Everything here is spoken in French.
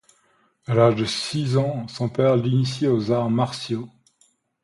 À l'âge de six ans, son père l'initie aux arts martiaux.